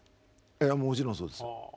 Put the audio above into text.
ええもちろんそうです。